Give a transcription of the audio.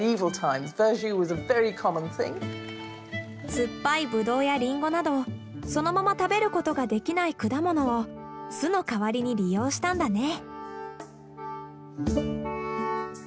酸っぱいブドウやリンゴなどそのまま食べることができない果物を酢の代わりに利用したんだね。